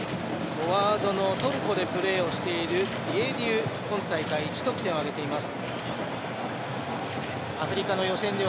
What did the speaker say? フォワードのトルコでプレーしている選手が今大会１得点を挙げています。